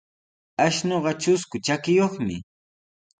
Ashnuqa trusku trakiyuqmi.